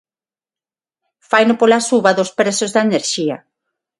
Faino pola suba dos prezos da enerxía.